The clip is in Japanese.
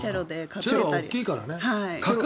チェロは大きいからね。